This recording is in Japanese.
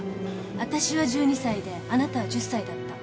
あたしは１２歳であなたは１０歳だった。